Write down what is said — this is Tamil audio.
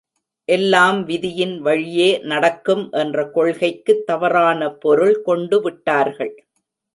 எல்லாம் விதியின் வழியே நடக்கும் என்ற கொள்கைக்குத் தவறான பொருள் கொண்டுவிட்டார்கள்.